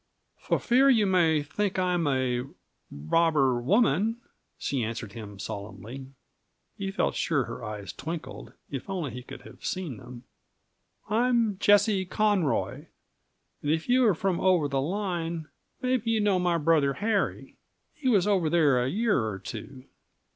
"For fear you may think I'm a a robber woman," she answered him solemnly he felt sure her eyes twinkled, if only he could have seen them "I'm Jessie Conroy. And if you're from over the line, maybe you know my brother Harry. He was over there a year or two."